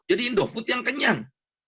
jadi indofood yang kenyang